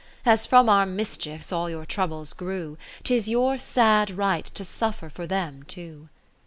As from our mischiefs all your troubles grew, 'Tis your sad right to suffer for them too.